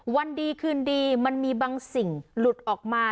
วันดีคืนดีมันมีบางสิ่งหลุดออกมา